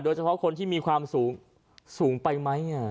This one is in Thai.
เฉพาะคนที่มีความสูงไปไหม